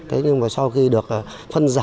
thế nhưng mà sau khi được phân giải